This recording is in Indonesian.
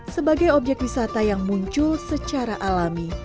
sebagai objek wisata yang muncul secara alami